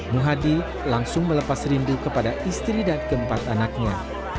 muhadi langsung melepas rindu kepada istri dan keempat anaknya